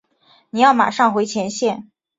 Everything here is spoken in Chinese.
你要马上回前线。